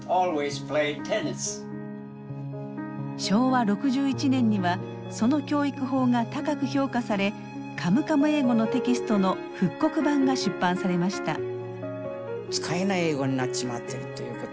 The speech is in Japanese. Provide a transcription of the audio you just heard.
昭和６１年にはその教育法が高く評価され「カムカム英語」のテキストの復刻版が出版されました。